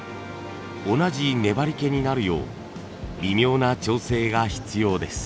同じ粘りけになるよう微妙な調整が必要です。